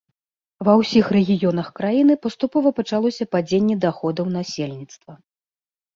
Ва ўсіх рэгіёнах краіны паступова пачалося падзенне даходаў насельніцтва.